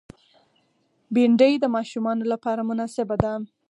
بېنډۍ د ماشومانو لپاره مناسبه ده